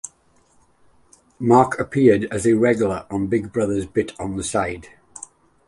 Mark appeared as a regular on Big Brother's Bit On The Side.